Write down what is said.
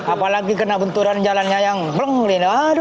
apalagi kena benturan jalannya yang bleng ini